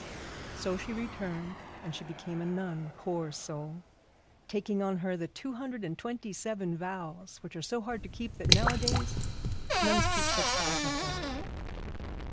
So she returned, and she became a nun, poor soul! taking on her the two hundred and twenty seven vows, which are so hard to keep that nowadays nuns keep but five of them.